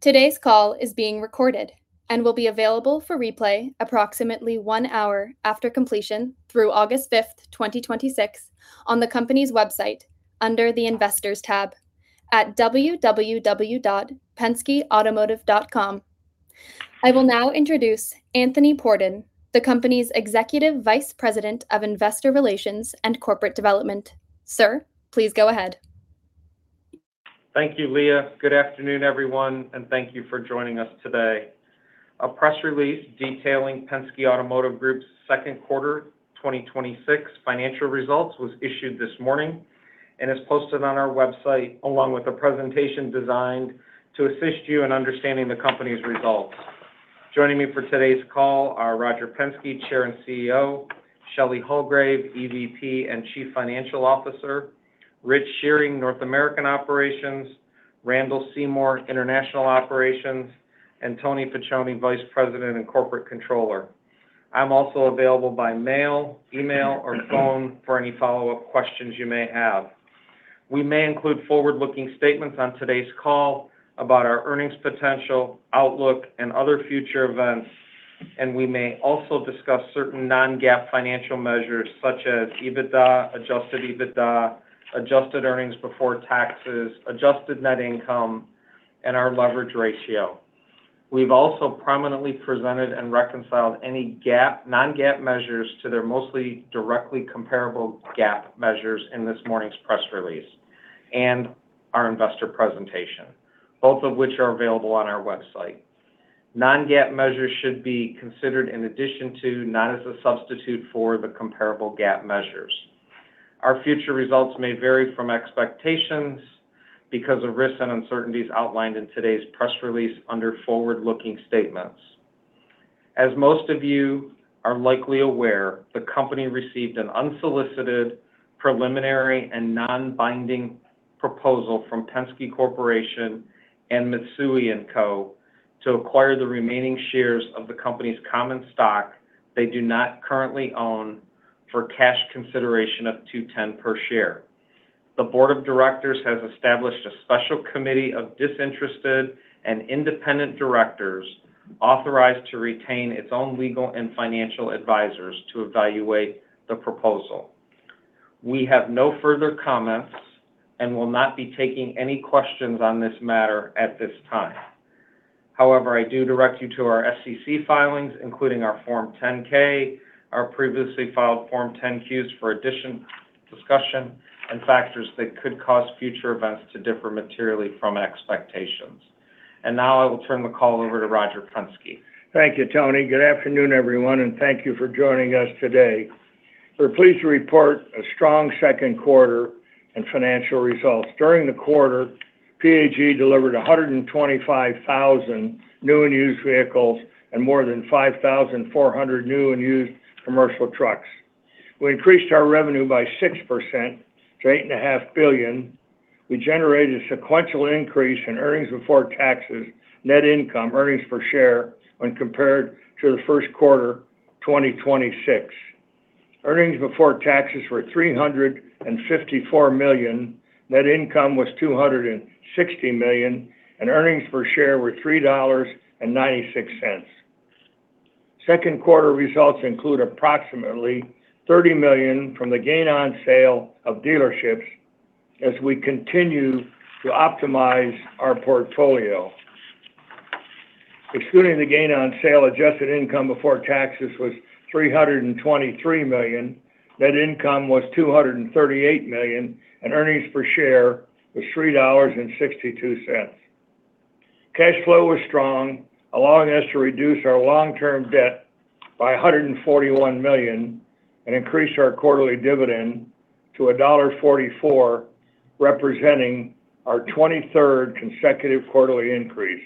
Today's call is being recorded and will be available for replay approximately one hour after completion through August 5th, 2026, on the company's website under the Investors tab at www.penskeautomotive.com. I will now introduce Anthony Pordon, the company's Executive Vice President of Investor Relations and Corporate Development. Sir, please go ahead. Thank you, Leah. Good afternoon, everyone, and thank you for joining us today. A press release detailing Penske Automotive Group's second quarter 2026 financial results was issued this morning and is posted on our website, along with a presentation designed to assist you in understanding the company's results. Joining me for today's call are Roger Penske, Chair and CEO, Shelley Hulgrave, EVP and Chief Financial Officer, Rich Shearing, North American Operations, Randall Seymore, International Operations, and Anthony Facione, Vice President and Corporate Controller. I'm also available by mail, email, or phone for any follow-up questions you may have. We may include forward-looking statements on today's call about our earnings potential, outlook, and other future events. We may also discuss certain non-GAAP financial measures such as EBITDA, adjusted EBITDA, adjusted earnings before taxes, adjusted net income, and our leverage ratio. We've also prominently presented and reconciled any non-GAAP measures to their mostly directly comparable GAAP measures in this morning's press release and our investor presentation, both of which are available on our website. Non-GAAP measures should be considered in addition to, not as a substitute for, the comparable GAAP measures. Our future results may vary from expectations because of risks and uncertainties outlined in today's press release under forward-looking statements. As most of you are likely aware, the company received an unsolicited, preliminary, and non-binding proposal from Penske Corporation and Mitsui & Co. to acquire the remaining shares of the company's common stock they do not currently own for cash consideration of $210 per share. The board of directors has established a special committee of disinterested and independent directors authorized to retain its own legal and financial advisors to evaluate the proposal. We have no further comments and will not be taking any questions on this matter at this time. However, I do direct you to our SEC filings, including our Form 10-K, our previously filed Form 10-Qs for additional discussion and factors that could cause future events to differ materially from expectations. Now I will turn the call over to Roger Penske. Thank you, Tony. Good afternoon, everyone, and thank you for joining us today. We're pleased to report a strong second quarter in financial results. During the quarter, PAG delivered 125,000 new and used vehicles and more than 5,400 new and used commercial trucks. We increased our revenue by 6% to $8.5 billion. We generated sequential increase in earnings before taxes, net income, earnings per share when compared to the first quarter 2026. Earnings before taxes were $354 million, net income was $260 million, and earnings per share were $3.96. Second quarter results include approximately $30 million from the gain on sale of dealerships as we continue to optimize our portfolio. Excluding the gain on sale, adjusted income before taxes was $323 million, net income was $238 million, and earnings per share was $3.62. Cash flow was strong, allowing us to reduce our long-term debt by $141 million and increase our quarterly dividend to $1.44, representing our 23rd consecutive quarterly increase.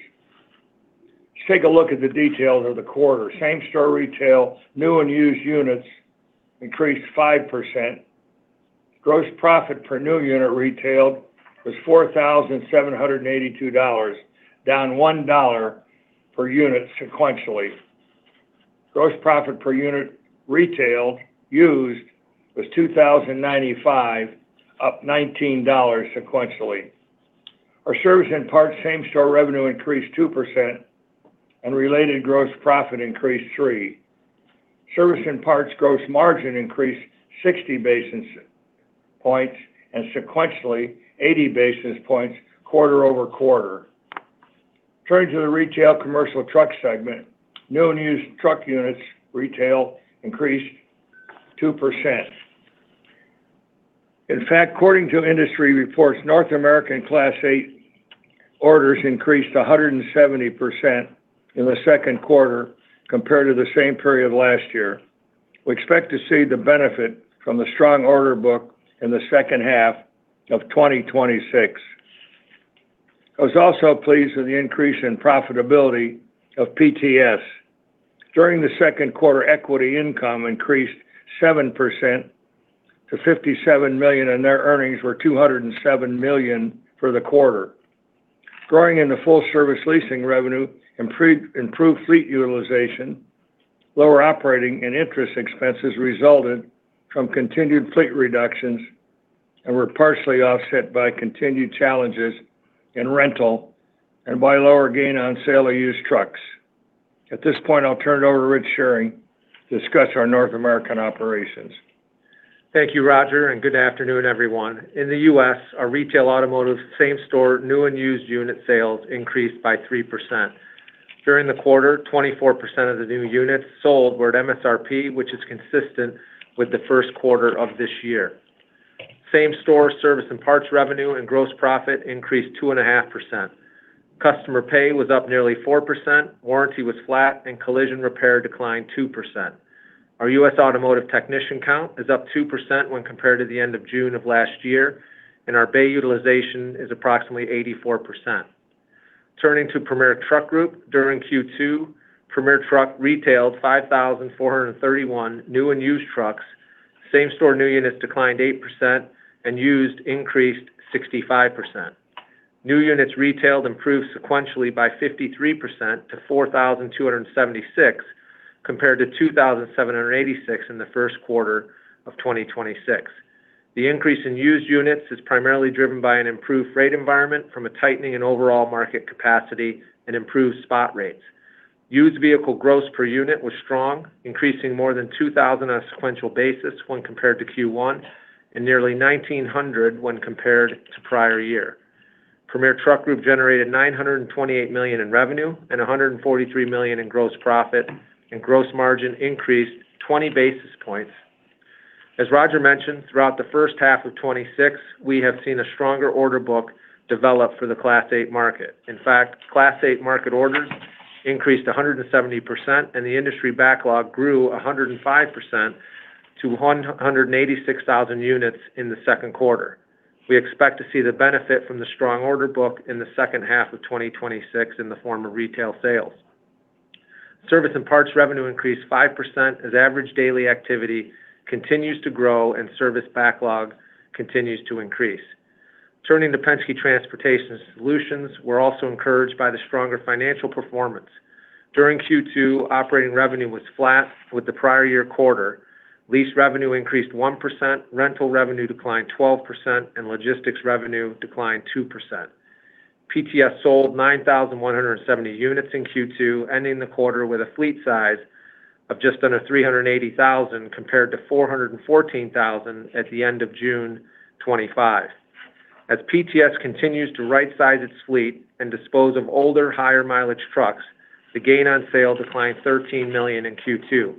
Let's take a look at the details of the quarter. Same store retail, new and used units increased 5%. Gross profit per new unit retailed was $4,782, down $1 per unit sequentially. Gross profit per unit retail used was $2,095, up $19 sequentially. Our service and parts same store revenue increased 2% and related gross profit increased 3%. Service and parts gross margin increased 60 basis points and sequentially 80 basis points quarter-over-quarter. Turning to the retail commercial truck segment. New and used truck units retail increased 2%. In fact, according to industry reports, North American Class 8 orders increased 170% in the second quarter compared to the same period last year. We expect to see the benefit from the strong order book in the second half of 2026. I was also pleased with the increase in profitability of PTS. During the second quarter, equity income increased 7% to $57 million, and net earnings were $207 million for the quarter. Growing into full service leasing revenue improved fleet utilization. Lower operating and interest expenses resulted from continued fleet reductions and were partially offset by continued challenges in rental and by lower gain on sale of used trucks. At this point, I'll turn it over to Rich Shearing to discuss our North American operations. Thank you, Roger, and good afternoon, everyone. In the U.S., our retail automotive same store new and used unit sales increased by 3%. During the quarter, 24% of the new units sold were at MSRP, which is consistent with the first quarter of this year. Same store service and parts revenue and gross profit increased 2.5%. Customer pay was up nearly 4%, warranty was flat, and collision repair declined 2%. Our U.S. automotive technician count is up 2% when compared to the end of June of last year, and our bay utilization is approximately 84%. Turning to Premier Truck Group, during Q2, Premier Truck retailed 5,431 new and used trucks. Same store new units declined 8% and used increased 65%. New units retailed improved sequentially by 53% to 4,276, compared to 2,786 in the first quarter of 2026. The increase in used units is primarily driven by an improved rate environment from a tightening in overall market capacity and improved spot rates. Used vehicle gross per unit was strong, increasing more than $2,000 on a sequential basis when compared to Q1 and nearly $1,900 when compared to prior year. Premier Truck Group generated $928 million in revenue and $143 million in gross profit, and gross margin increased 20 basis points. As Roger mentioned, throughout the first half of 2026, we have seen a stronger order book develop for the Class 8 market. In fact, Class 8 market orders increased 170% and the industry backlog grew 105% to 186,000 units in the second quarter. We expect to see the benefit from the strong order book in the second half of 2026 in the form of retail sales. Service and parts revenue increased 5% as average daily activity continues to grow and service backlog continues to increase. Turning to Penske Transportation Solutions, we are also encouraged by the stronger financial performance. During Q2, operating revenue was flat with the prior year quarter, lease revenue increased 1%, rental revenue declined 12%, and logistics revenue declined 2%. PTS sold 9,170 units in Q2, ending the quarter with a fleet size of just under 380,000 compared to 414,000 at the end of June 2025. As PTS continues to right size its fleet and dispose of older, higher mileage trucks, the gain on sale declined $13 million in Q2.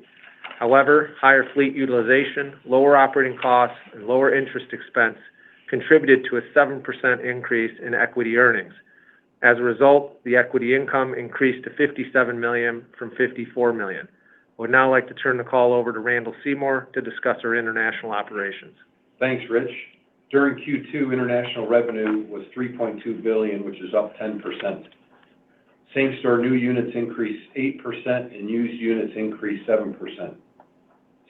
However, higher fleet utilization, lower operating costs, and lower interest expense contributed to a 7% increase in equity earnings. As a result, the equity income increased to $57 million from $54 million. I would now like to turn the call over to Randall Seymore to discuss our international operations. Thanks, Rich. During Q2, international revenue was $3.2 billion, which is up 10%. Same store new units increased 8% and used units increased 7%.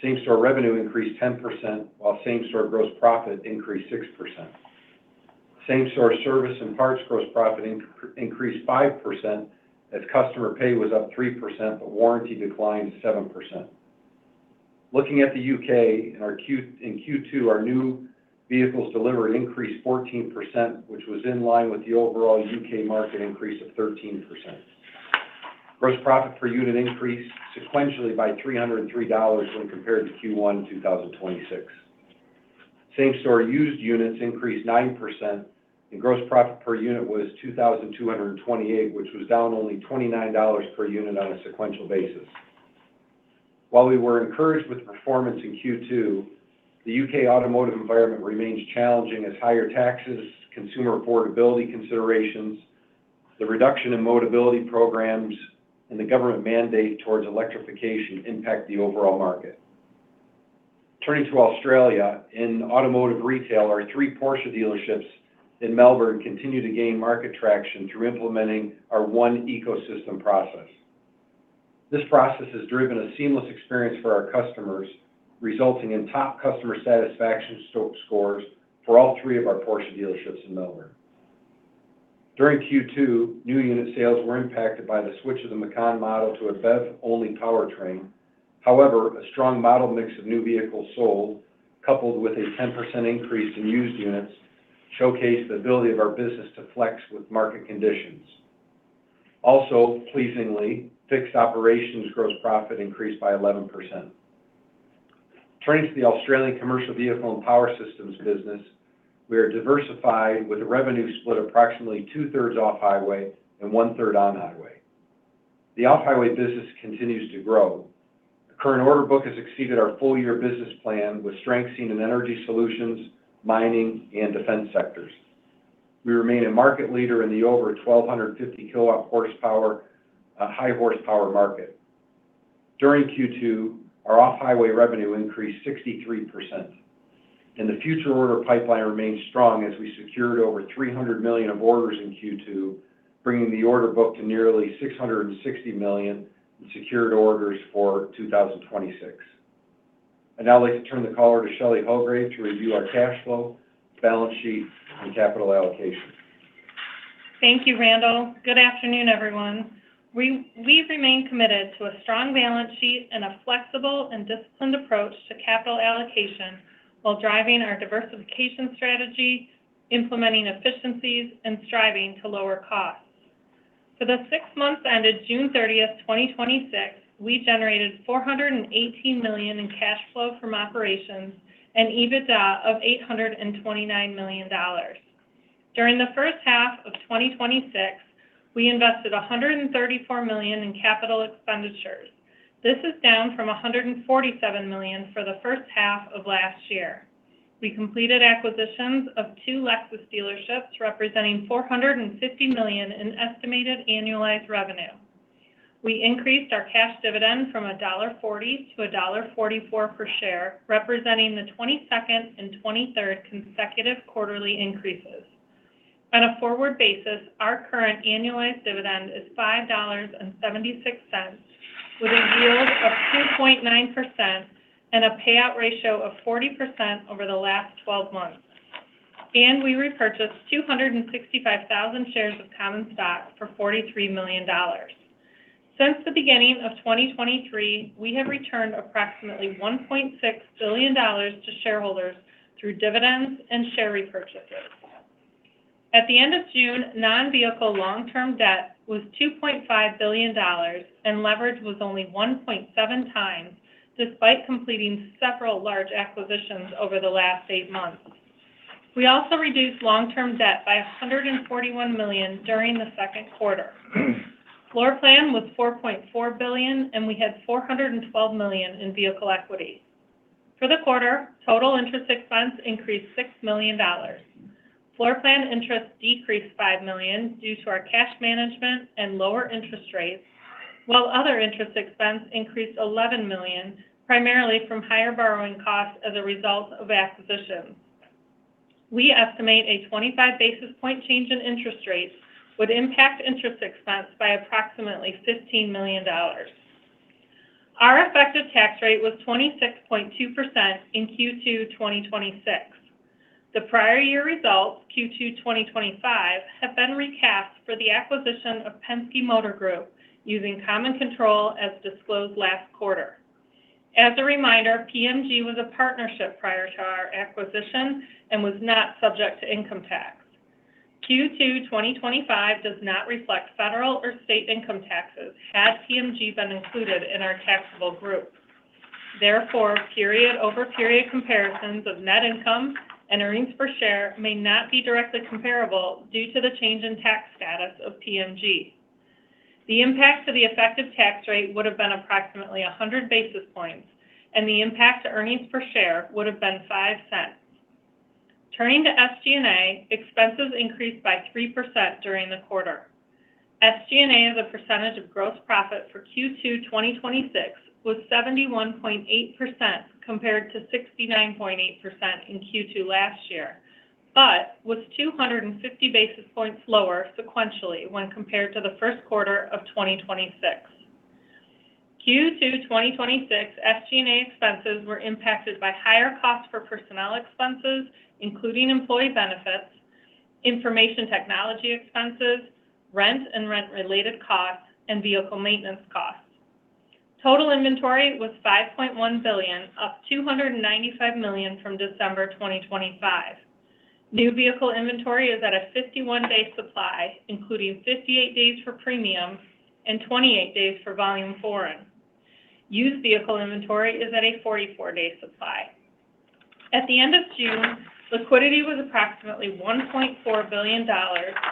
Same store revenue increased 10%, while same store gross profit increased 6%. Same store service and parts gross profit increased 5% as customer pay was up 3%, but warranty declined 7%. Looking at the U.K., in Q2 our new vehicles delivered increased 14%, which was in line with the overall U.K. market increase of 13%. Gross profit per unit increased sequentially by $303 when compared to Q1 2026. Same store used units increased 9%, and gross profit per unit was $2,228, which was down only $29 per unit on a sequential basis. While we were encouraged with the performance in Q2, the U.K. automotive environment remains challenging as higher taxes, consumer affordability considerations, the reduction in Motability programs, and the government mandate towards electrification impact the overall market. Turning to Australia, in automotive retail, our three Porsche dealerships in Melbourne continue to gain market traction through implementing our one ecosystem process. This process has driven a seamless experience for our customers, resulting in top customer satisfaction scores for all three of our Porsche dealerships in Melbourne. During Q2, new unit sales were impacted by the switch of the Macan model to a BEV-only powertrain. However, a strong model mix of new vehicles sold, coupled with a 10% increase in used units, showcased the ability of our business to flex with market conditions. Also, pleasingly, fixed operations gross profit increased by 11%. Turning to the Australian commercial vehicle and power systems business, we are diversified with a revenue split approximately two-thirds off-highway and one-third on-highway. The off-highway business continues to grow. The current order book has exceeded our full-year business plan, with strength seen in energy solutions, mining, and defense sectors. We remain a market leader in the over 1,250 kilowatt horsepower, high horsepower market. During Q2, our off-highway revenue increased 63%, and the future order pipeline remains strong as we secured over $300 million of orders in Q2, bringing the order book to nearly $660 million in secured orders for 2026. I'd now like to turn the caller to Shelley Hulgrave to review our cash flow, balance sheet, and capital allocation. Thank you, Randall. Good afternoon, everyone. We remain committed to a strong balance sheet and a flexible and disciplined approach to capital allocation while driving our diversification strategy, implementing efficiencies, and striving to lower costs. For the six months ended June 30th, 2026, we generated $418 million in cash flow from operations and EBITDA of $829 million. During the first half of 2026, we invested $134 million in capital expenditures. This is down from $147 million for the first half of last year. We completed acquisitions of two Lexus dealerships, representing $450 million in estimated annualized revenue. We increased our cash dividend from $1.40 to $1.44 per share, representing the 22nd and 23rd consecutive quarterly increases. On a forward basis, our current annualized dividend is $5.76, with a yield of 2.9% and a payout ratio of 40% over the last 12 months. We repurchased 265,000 shares of common stock for $43 million. Since the beginning of 2023, we have returned approximately $1.6 billion to shareholders through dividends and share repurchases. At the end of June, non-vehicle long-term debt was $2.5 billion, and leverage was only 1.7 times, despite completing several large acquisitions over the last eight months. We also reduced long-term debt by $141 million during the second quarter. Floor plan was $4.4 billion, and we had $412 million in vehicle equity. For the quarter, total interest expense increased $6 million. Floor plan interest decreased $5 million due to our cash management and lower interest rates, while other interest expense increased $11 million, primarily from higher borrowing costs as a result of acquisitions. We estimate a 25-basis-point change in interest rates would impact interest expense by approximately $15 million. Our effective tax rate was 26.2% in Q2 2026. The prior year results, Q2 2025, have been recapped for the acquisition of Penske Motor Group, using common control as disclosed last quarter. As a reminder, PMG was a partnership prior to our acquisition and was not subject to income tax. Q2 2025 does not reflect federal or state income taxes, had PMG been included in our taxable group. Therefore, period-over-period comparisons of net income and earnings per share may not be directly comparable due to the change in tax status of PMG. The impact to the effective tax rate would've been approximately 100 basis points, and the impact to earnings per share would've been $0.05. Turning to SG&A, expenses increased by 3% during the quarter. SG&A as a percentage of gross profit for Q2 2026 was 71.8%, compared to 69.8% in Q2 last year, but was 250 basis points lower sequentially when compared to the first quarter of 2026. Q2 2026 SG&A expenses were impacted by higher costs for personnel expenses, including employee benefits, information technology expenses, rent and rent-related costs, and vehicle maintenance costs. Total inventory was $5.1 billion, up $295 million from December 2025. New vehicle inventory is at a 51-day supply, including 58 days for premium and 28 days for volume foreign. Used vehicle inventory is at a 44-day supply. At the end of June, liquidity was approximately $1.4 billion,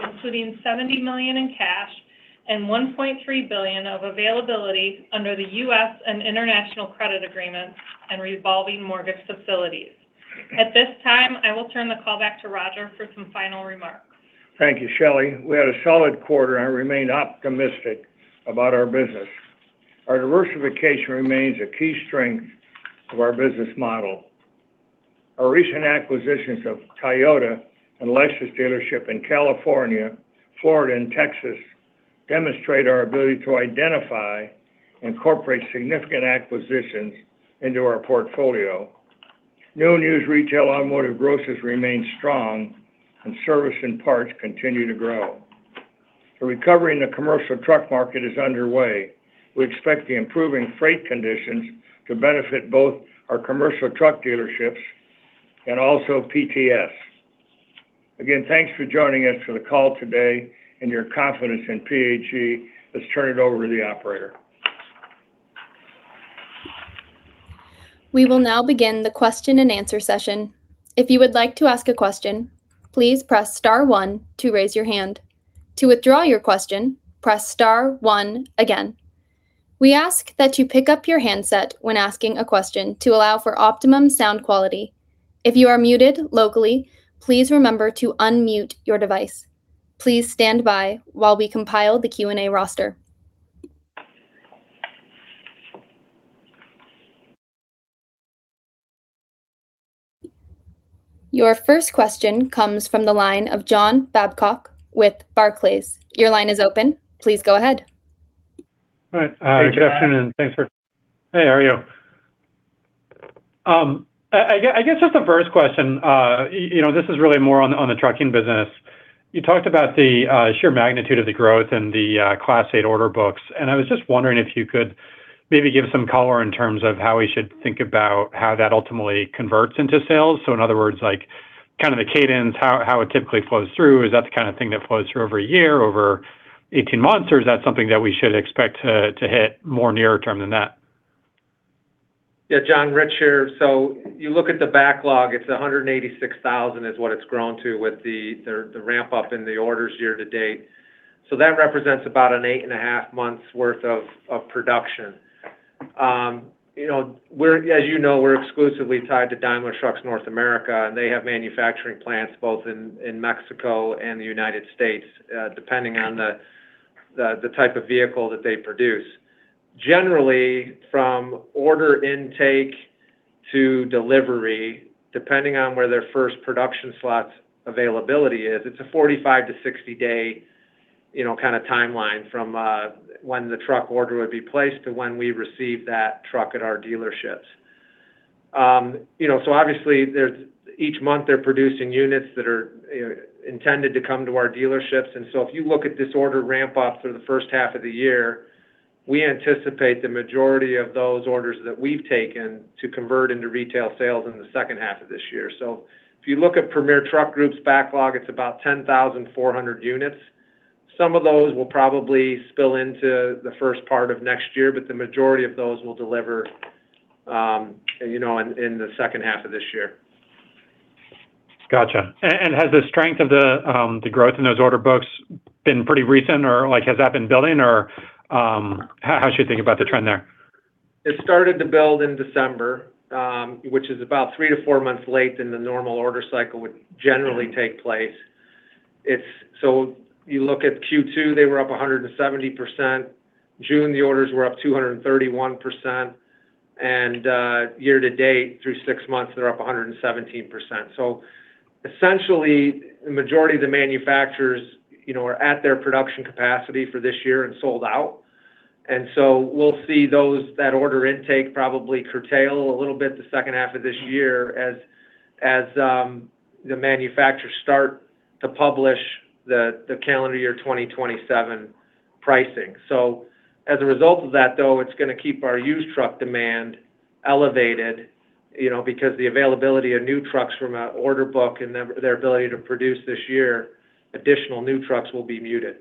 including $70 million in cash and $1.3 billion of availability under the U.S. and international credit agreements and revolving mortgage facilities. At this time, I will turn the call back to Roger for some final remarks. Thank you, Shelley. We had a solid quarter. I remain optimistic about our business. Our diversification remains a key strength of our business model. Our recent acquisitions of Toyota and Lexus dealership in California, Florida, and Texas demonstrate our ability to identify and incorporate significant acquisitions into our portfolio. New and used retail automotive grosses remain strong, and service and parts continue to grow. The recovery in the commercial truck market is underway. We expect the improving freight conditions to benefit both our commercial truck dealerships and also PTS. Again, thanks for joining us for the call today and your confidence in PAG. Let's turn it over to the operator. We will now begin the question-and-answer session. If you would like to ask a question, please press star one to raise your hand. To withdraw your question, press star one again. We ask that you pick up your handset when asking a question to allow for optimum sound quality. If you are muted locally, please remember to unmute your device. Please stand by while we compile the Q&A roster. Your first question comes from the line of John Babcock with Barclays. Your line is open. Please go ahead. All right. Good afternoon. Hey, how are you? I guess just the first question, this is really more on the trucking business. You talked about the sheer magnitude of the growth and the Class 8 order books, and I was just wondering if you could maybe give some color in terms of how we should think about how that ultimately converts into sales. In other words, like kind of the cadence, how it typically flows through. Is that the kind of thing that flows through over a year, over 18 months, or is that something that we should expect to hit more near-term than that? Yeah, John, Rich here. You look at the backlog, it's 186,000 is what it's grown to with the ramp-up in the orders year to date. That represents about an eight and a half months worth of production. As you know, we're exclusively tied to Daimler Truck North America, and they have manufacturing plants both in Mexico and the United States, depending on the type of vehicle that they produce. Generally, from order intake to delivery, depending on where their first production slots availability is, it's a 45- to 60-day kind of timeline from when the truck order would be placed to when we receive that truck at our dealerships. Obviously, each month they're producing units that are intended to come to our dealerships. If you look at this order ramp-up through the first half of the year, we anticipate the majority of those orders that we've taken to convert into retail sales in the second half of this year. If you look at Premier Truck Group's backlog, it's about 10,400 units. Some of those will probably spill into the first part of next year, but the majority of those will deliver in the second half of this year. Got you. Has the strength of the growth in those order books been pretty recent, or has that been building, or how should we think about the trend there? It started to build in December, which is about three to four months late than the normal order cycle would generally take place. You look at Q2, they were up 170%. June, the orders were up 231%, and year to date, through six months, they're up 117%. Essentially, the majority of the manufacturers are at their production capacity for this year and sold out. We'll see those, that order intake probably curtail a little bit the second half of this year as the manufacturers start to publish the calendar year 2027 pricing. As a result of that, though, it's going to keep our used truck demand elevated, because the availability of new trucks from an order book and their ability to produce this year, additional new trucks will be muted.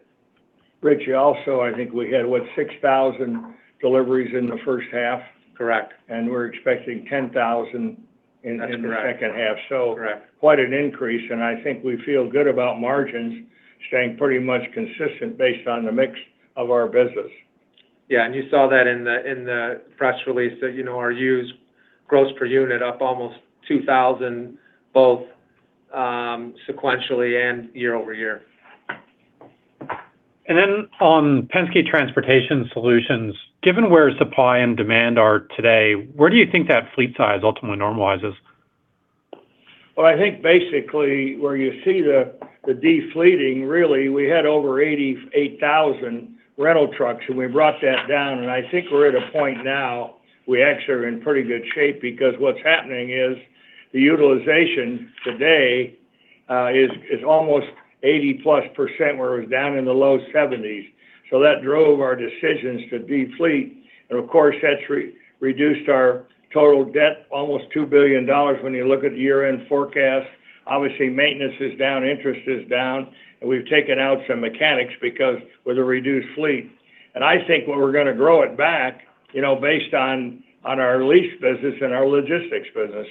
Rich, also, I think we had, what, 6,000 deliveries in the first half? Correct. We're expecting 10,000. That's correct. the second half. Correct. Quite an increase, and I think we feel good about margins staying pretty much consistent based on the mix of our business. Yeah, you saw that in the press release that our used gross per unit up almost $2,000, both sequentially and year-over-year. On Penske Transportation Solutions, given where supply and demand are today, where do you think that fleet size ultimately normalizes? Well, I think basically where you see the de-fleeting, really, we had over 88,000 rental trucks and we brought that down. I think we're at a point now we actually are in pretty good shape because what's happening is the utilization today is almost 80-plus %, where it was down in the low 70s. That drove our decisions to de-fleet, and of course, that's reduced our total debt almost $2 billion when you look at year-end forecasts. Obviously, maintenance is down, interest is down, and we've taken out some mechanics because with a reduced fleet. I think when we're going to grow it back, based on our lease business and our logistics business.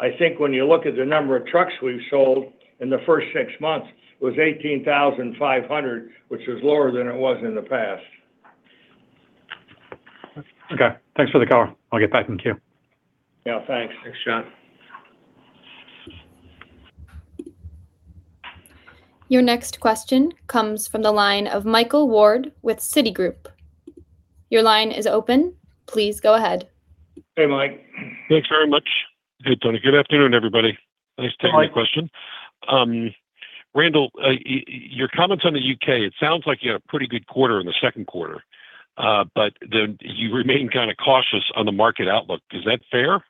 I think when you look at the number of trucks we've sold in the first six months was 18,500, which was lower than it was in the past. Okay. Thanks for the color. I'll get back in queue. Yeah, thanks. Thanks, John. Your next question comes from the line of Michael Ward with Citigroup. Your line is open. Please go ahead. Hey, Mike. Thanks very much. Good afternoon, everybody. Thanks for taking the question. Mike. Randall, your comments on the U.K., it sounds like you had a pretty good quarter in the second quarter. You remain kind of cautious on the market outlook. Is that fair?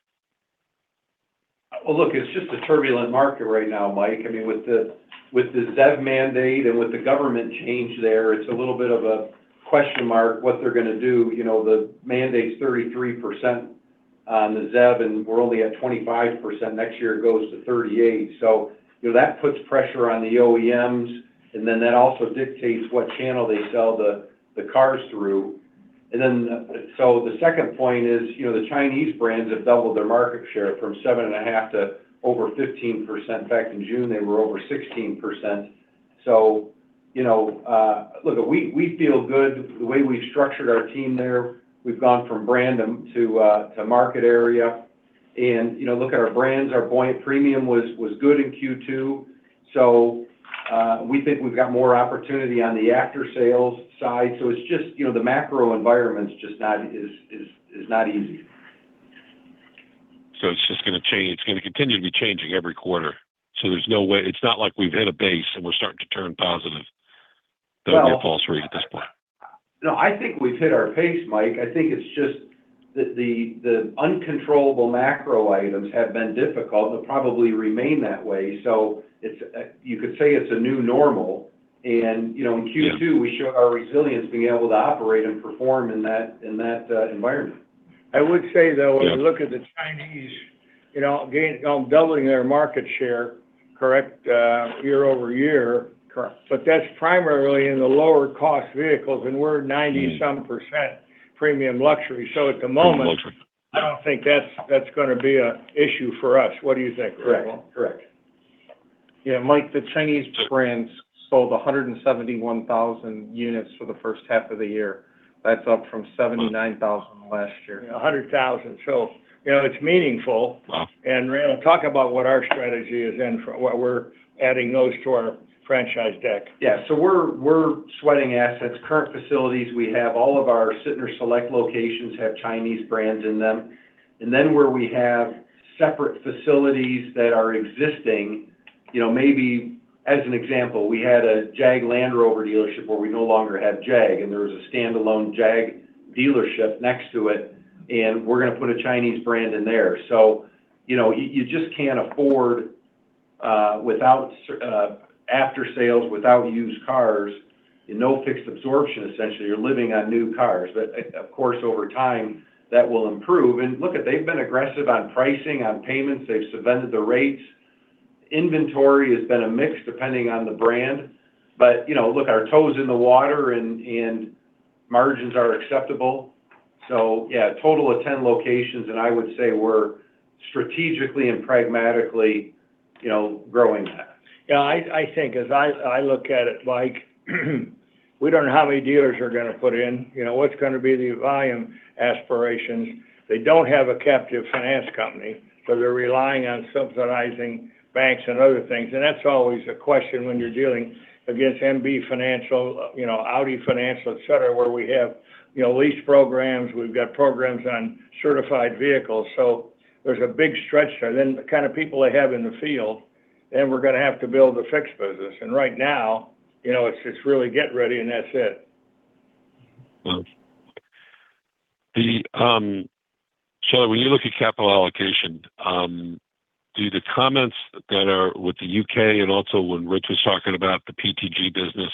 Well, look, it's just a turbulent market right now, Mike. With the ZEV mandate and with the government change there, it's a little bit of a question mark what they're going to do. The mandate's 33% on the ZEV, and we're only at 25%. Next year, it goes to 38%. That puts pressure on the OEMs, that also dictates what channel they sell the cars through. The second point is, the Chinese brands have doubled their market share from 7.5% to over 15%. In fact, in June, they were over 16%. Look, we feel good the way we've structured our team there. We've gone from random to market area, and look at our brands. Our BMW Premium was good in Q2, so we think we've got more opportunity on the after-sales side. It's just the macro environment's just not easy. It's just going to continue to be changing every quarter. It's not like we've hit a base and we're starting to turn positive. That would be a false read at this point. No, I think we've hit our pace, Michael Ward. I think it's just the uncontrollable macro items have been difficult. They'll probably remain that way. You could say it's a new normal. Yeah In Q2, we showed our resilience being able to operate and perform in that environment. I would say. Yeah When we look at the Chinese doubling their market share, correct, year-over-year. Correct That's primarily in the lower cost vehicles, and we're 90-some% premium luxury. At the moment. Premium luxury I don't think that's going to be an issue for us. What do you think, Randall? Correct. Yeah, Mike, the Chinese brands sold 171,000 units for the first half of the year. That's up from 79,000 last year. 100,000. It's meaningful. Wow. Randall, talk about what our strategy is and what we're adding those to our franchise deck. We're sweating assets. Current facilities we have, all of our Sytner Select locations have Chinese brands in them. Then where we have separate facilities that are existing, maybe as an example, we had a Jaguar Land Rover dealership where we no longer have Jaguar, and there was a standalone Jaguar dealership next to it, and we're going to put a Chinese brand in there. You just can't afford, after sales, without used cars, no fixed absorption, essentially. You're living on new cars. Of course, over time, that will improve. Look it, they've been aggressive on pricing, on payments. They've subvented the rates. Inventory has been a mix depending on the brand. Look, our toe's in the water and margins are acceptable. Yeah, a total of 10 locations, and I would say we're strategically and pragmatically growing that. I think as I look at it, Mike, we don't know how many dealers are going to put in. What's going to be the volume aspirations? They don't have a captive finance company, so they're relying on subsidizing banks and other things, and that's always a question when you're dealing against MB Financial, Audi Financial, et cetera, where we have lease programs. We've got programs on certified vehicles. There's a big stretch there. The kind of people they have in the field, and we're going to have to build a fixed business. Right now, it's just really get ready and that's it. Well. When you look at capital allocation, do the comments that are with the U.K. and also when Rich was talking about the PTG business,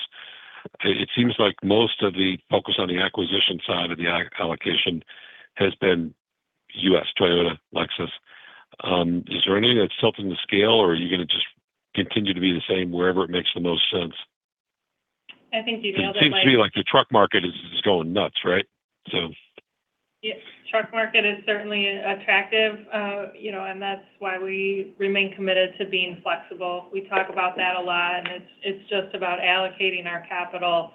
it seems like most of the focus on the acquisition side of the allocation has been U.S., Toyota, Lexus. Is there anything that's tilting the scale, or are you going to just continue to be the same wherever it makes the most sense? I think, you know that, Mike. It seems to me like the truck market is going nuts, right? So Yeah. Truck market is certainly attractive, and that's why we remain committed to being flexible. We talk about that a lot, and it's just about allocating our capital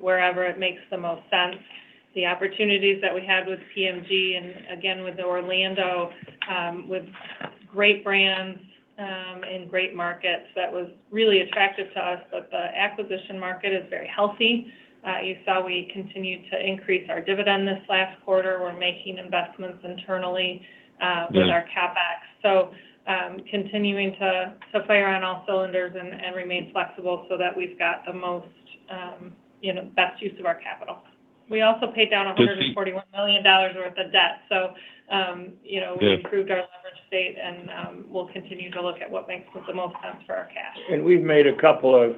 wherever it makes the most sense. The opportunities that we had with PMG and again with Orlando, with great brands in great markets, that was really attractive to us. The acquisition market is very healthy. You saw we continued to increase our dividend this last quarter. We're making investments internally. Yeah with our CapEx. Continuing to fire on all cylinders and remain flexible so that we've got the best use of our capital. We also paid down $141 million worth of debt. Yeah We improved our leverage state and we'll continue to look at what makes the most sense for our cash. We've made a couple of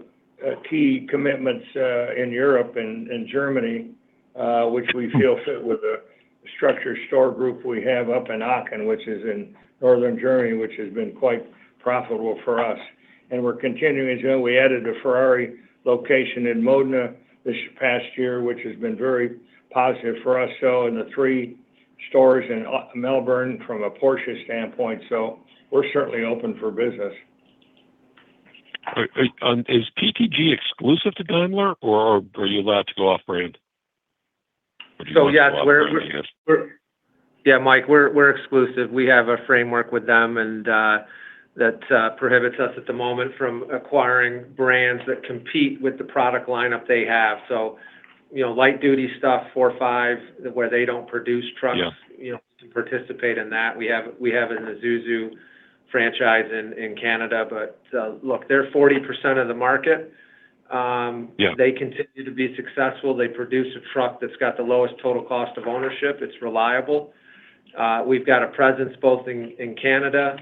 key commitments in Europe and Germany, which we feel fit with the structured store group we have up in Aachen, which is in northern Germany, which has been quite profitable for us. We added a Ferrari location in Modena this past year, which has been very positive for us, and the three stores in Melbourne from a Porsche standpoint. We're certainly open for business. Is PTG exclusive to Daimler, or are you allowed to go off-brand? Do you want to go off-brand, I guess? Yeah, Mike, we're exclusive. We have a framework with them, that prohibits us at the moment from acquiring brands that compete with the product lineup they have. So, light duty stuff, four, five, where they don't produce trucks- Yeah to participate in that. We have an Isuzu franchise in Canada. Look, they're 40% of the market. Yeah. They continue to be successful. They produce a truck that's got the lowest total cost of ownership. It's reliable. We've got a presence both in Canada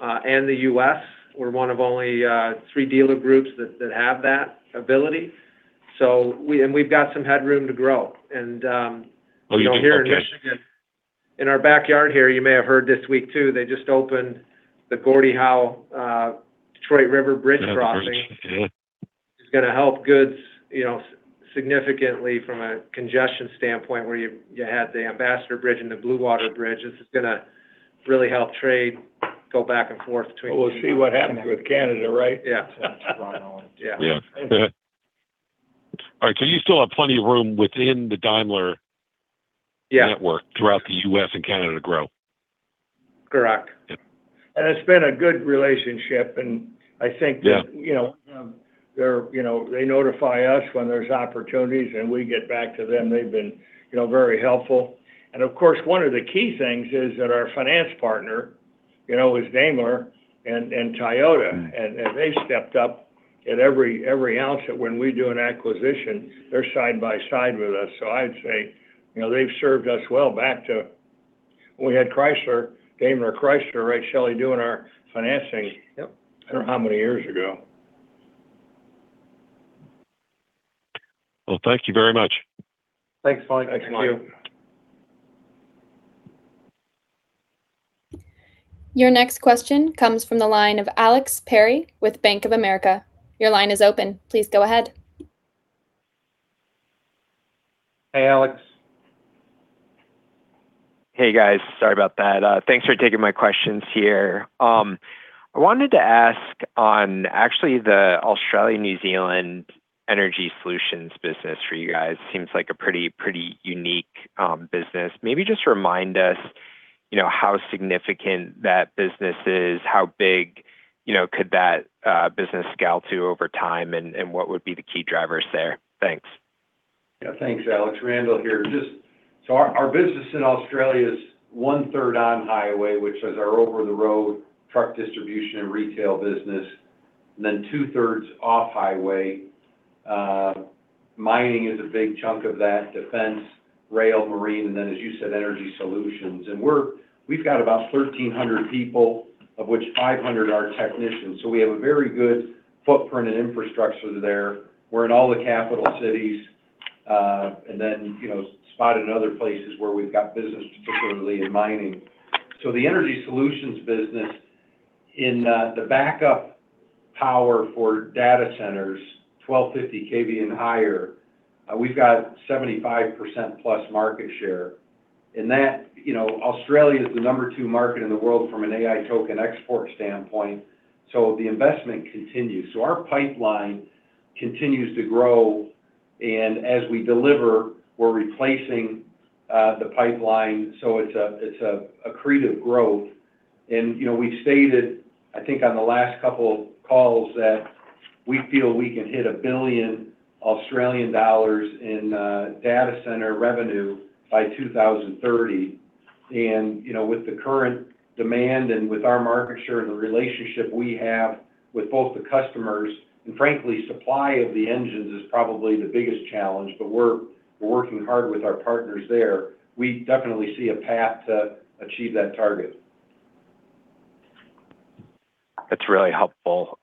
and the U.S. We're one of only three dealer groups that have that ability. We've got some headroom to grow. And- Oh, you do? Okay here in Michigan, in our backyard here, you may have heard this week, too, they just opened the Gordie Howe, Detroit River Bridge crossing. Yeah, the bridge. Yeah. It's going to help goods significantly from a congestion standpoint where you had the Ambassador Bridge and the Blue Water Bridge. This is going to really help trade go back and forth between. We'll see what happens with Canada, right? Yeah. Yeah. All right, you still have plenty of room within the Daimler- Yeah network throughout the U.S. and Canada to grow. Correct. Yeah. It's been a good relationship, and I think that- Yeah they notify us when there's opportunities, and we get back to them. They've been very helpful. Of course, one of the key things is that our finance partner It was Daimler and Toyota. They stepped up at every ounce that when we do an acquisition, they're side by side with us. I'd say, they've served us well back to when we had Chrysler, DaimlerChrysler, right, Shelley, doing our financing- Yep I don't know how many years ago. Well, thank you very much. Thanks, Mike. Thank you. Thanks, Mike. Your next question comes from the line of Alex Perry with Bank of America. Your line is open. Please go ahead. Hey, Alex. Hey, guys. Sorry about that. Thanks for taking my questions here. I wanted to ask on actually the Australia, New Zealand energy solutions business for you guys. Seems like a pretty unique business. Maybe just remind us how significant that business is, how big could that business scale to over time, and what would be the key drivers there? Thanks. Yeah. Thanks, Alex. Randall here. Our business in Australia is one third on-highway, which is our over-the-road truck distribution and retail business. Two-thirds off-highway. Mining is a big chunk of that, defense, rail, marine. As you said, energy solutions. We've got about 1,300 people, of which 500 are technicians. We have a very good footprint and infrastructure there. We're in all the capital cities, and then spotted in other places where we've got business, particularly in mining. The energy solutions business in the backup power for data centers, 1,250 KV and higher, we've got 75% plus market share. Australia is the number two market in the world from an AI token export standpoint. The investment continues. Our pipeline continues to grow, and as we deliver, we're replacing the pipeline. It's accretive growth. We've stated, I think on the last couple of calls, that we feel we can hit 1 billion Australian dollars in data center revenue by 2030. With the current demand and with our market share and the relationship we have with both the customers, and frankly, supply of the engines is probably the biggest challenge, but we're working hard with our partners there. We definitely see a path to achieve that target. That's really helpful.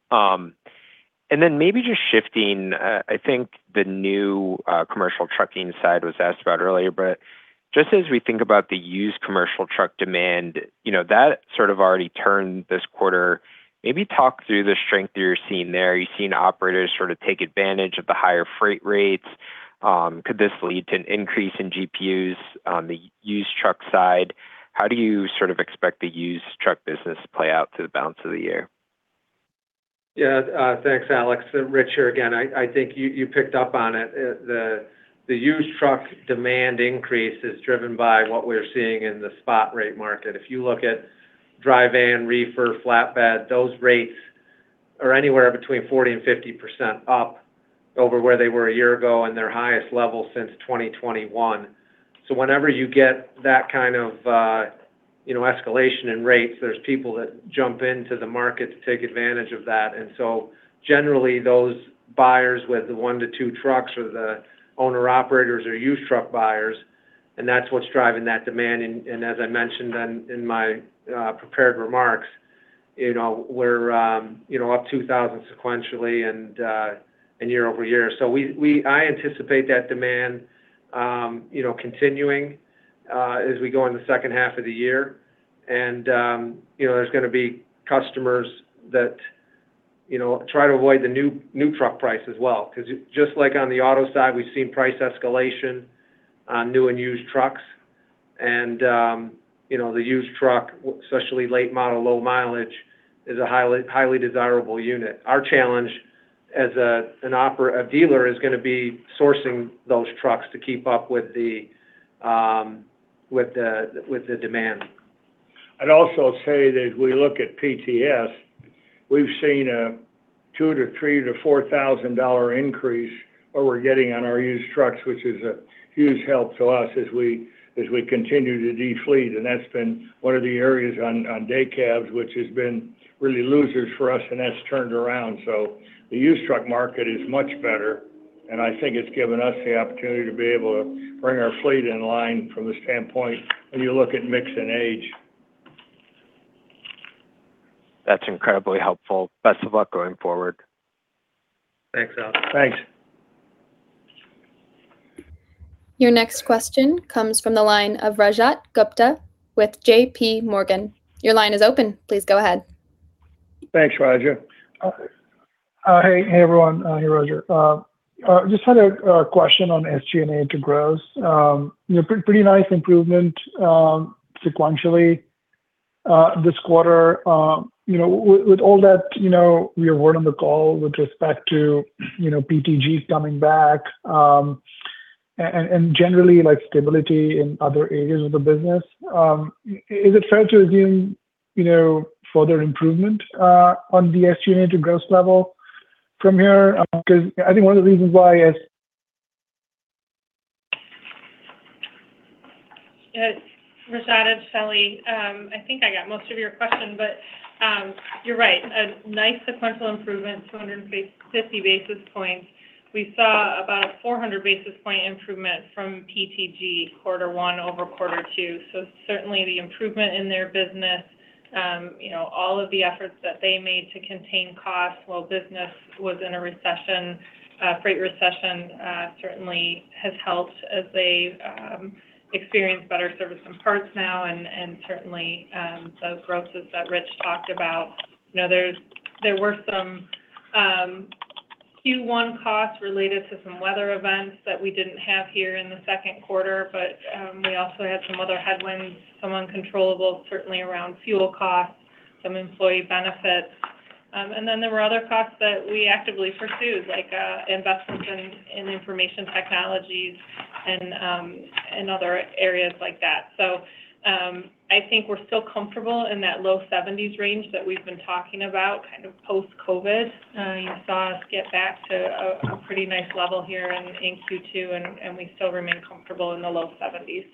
Then maybe just shifting, I think the new commercial trucking side was asked about earlier, but just as we think about the used commercial truck demand, that sort of already turned this quarter. Maybe talk through the strength that you're seeing there. Are you seeing operators sort of take advantage of the higher freight rates? Could this lead to an increase in GPUs on the used truck side? How do you sort of expect the used truck business play out through the balance of the year? Thanks, Alex Perry. Rich Shearing here again. I think you picked up on it. The used truck demand increase is driven by what we're seeing in the spot rate market. If you look at dry van, reefer, flatbed, those rates are anywhere between 40% and 50% up over where they were a year ago and their highest level since 2021. Whenever you get that kind of escalation in rates, there's people that jump into the market to take advantage of that. Generally, those buyers with the one to two trucks or the owner-operators are used truck buyers. That's what's driving that demand. As I mentioned in my prepared remarks, we're up 2,000 sequentially and year-over-year. I anticipate that demand continuing as we go in the second half of the year. There's going to be customers that try to avoid the new truck price as well because just like on the auto side, we've seen price escalation on new and used trucks. The used truck, especially late model, low mileage, is a highly desirable unit. Our challenge as a dealer is going to be sourcing those trucks to keep up with the demand. I'd also say that as we look at PTS, we've seen a $2,000 to $3,000 to $4,000 increase where we're getting on our used trucks, which is a huge help to us as we continue to de-fleet, and that's been one of the areas on day cabs, which has been really losers for us, and that's turned around. The used truck market is much better, and I think it's given us the opportunity to be able to bring our fleet in line from the standpoint when you look at mix and age. That's incredibly helpful. Best of luck going forward. Thanks, Alex. Thanks. Your next question comes from the line of Rajat Gupta with JPMorgan. Your line is open. Please go ahead. Thanks, Rajat. Hey, everyone. Hey, Rajat. Just had a question on SG&A to gross. Pretty nice improvement sequentially this quarter. With all that we heard on the call with respect to PTG coming back, generally like stability in other areas of the business, is it fair to assume further improvement on the SG&A to gross level from here? Because I think one of the reasons why as It's Rajat at Shelley. I think I got most of your question, you're right. A nice sequential improvement, 250 basis points. We saw about a 400 basis point improvement from PTG quarter one over quarter two. Certainly the improvement in their business, all of the efforts that they made to contain costs while business was in a freight recession, certainly has helped as they've experienced better service and parts now and certainly those grosses that Rich talked about. There were some Q1 costs related to some weather events that we didn't have here in the second quarter, we also had some other headwinds, some uncontrollable, certainly around fuel costs, some employee benefits. Then there were other costs that we actively pursued, like investments in information technologies and other areas like that. I think we're still comfortable in that low 70s range that we've been talking about post-COVID. You saw us get back to a pretty nice level here in Q2, we still remain comfortable in the low 70s.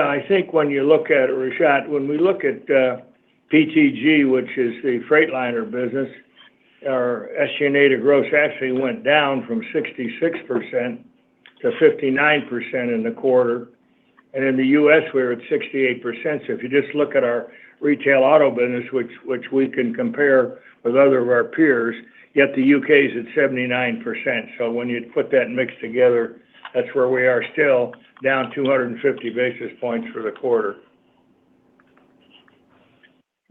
I think when you look at it, Rajat, when we look at PTG, which is the Freightliner business, our unit gross actually went down from 66% to 59% in the quarter. In the U.S., we're at 68%. If you just look at our retail auto business, which we can compare with other of our peers, yet the U.K.'s at 79%. When you put that mix together, that's where we are still, down 250 basis points for the quarter.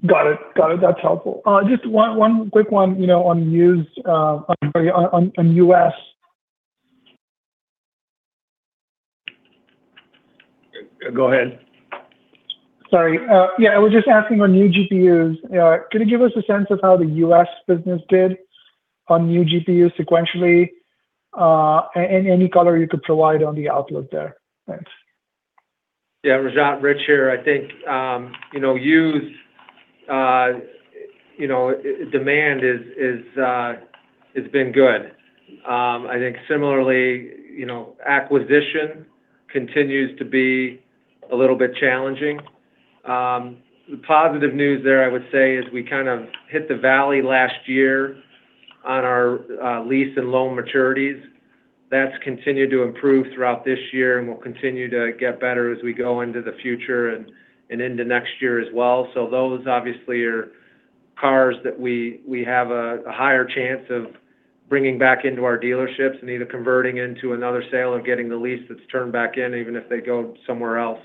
Got it. That's helpful. Just one quick one on U.S. Go ahead. Sorry. I was just asking on new GPUs. Could you give us a sense of how the U.S. business did on new GPUs sequentially? Any color you could provide on the outlook there. Thanks. Yeah, Rajat, Rich here. I think used demand has been good. I think similarly, acquisition continues to be a little bit challenging. The positive news there, I would say, is we kind of hit the valley last year on our lease and loan maturities. That's continued to improve throughout this year, and will continue to get better as we go into the future and into next year as well. Those obviously are cars that we have a higher chance of bringing back into our dealerships and either converting into another sale or getting the lease that's turned back in, even if they go somewhere else.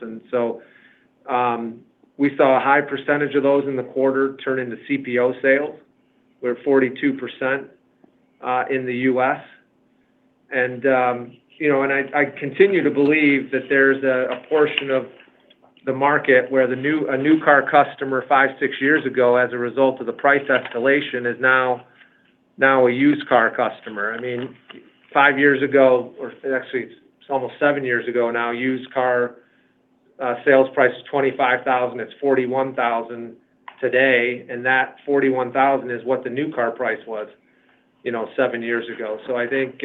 We saw a high percentage of those in the quarter turn into CPO sales. We're 42% in the U.S. I continue to believe that there's a portion of the market where a new car customer five, six years ago, as a result of the price escalation, is now a used car customer. Five years ago, or actually it's almost seven years ago now, used car sales price is $25,000. It's $41,000 today, and that $41,000 is what the new car price was seven years ago. I think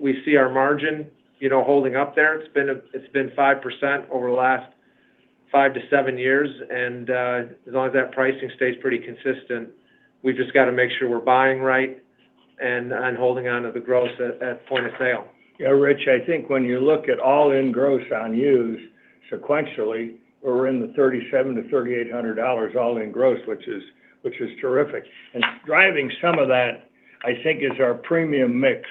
we see our margin holding up there. It's been 5% over the last five to seven years, and as long as that pricing stays pretty consistent, we've just got to make sure we're buying right and holding on to the gross at point of sale. Yeah, Rich, I think when you look at all-in gross on used sequentially, we're in the $3,700-$3,800 all in gross, which is terrific. Driving some of that, I think, is our premium mix.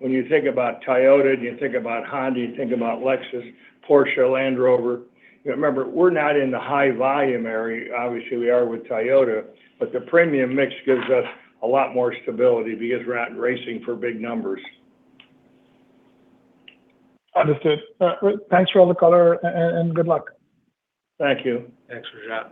When you think about Toyota, and you think about Honda, you think about Lexus, Porsche, Land Rover, remember, we're not in the high volume area. Obviously, we are with Toyota, but the premium mix gives us a lot more stability because we're out racing for big numbers. Understood. Thanks for all the color, and good luck. Thank you. Thanks, Rajat.